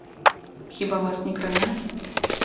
Хіба вас не кранае?